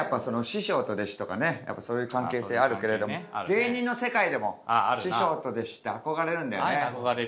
師匠と弟子とかねそういう関係性あるけれども芸人の世界でも師匠と弟子って憧れるんだよね。